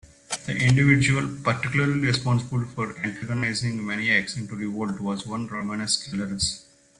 The individual particularly responsible for antagonizing Maniakes into revolt was one Romanus Sclerus.